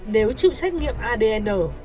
nếu chịu xét nghiệm adn